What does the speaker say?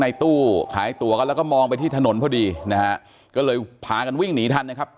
ตู้ขายตัวกันแล้วก็มองไปที่ถนนพอดีนะฮะก็เลยพากันวิ่งหนีทันนะครับ